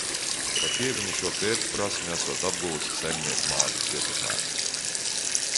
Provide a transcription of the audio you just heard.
Pat Ieviņa šo pērtprasmi esot apguvusi saimniekmātes ietekmēta.